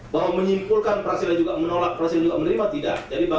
yandri mengatakan bahwa dia tidak punya hak untuk menyampaikan sikat praksi lain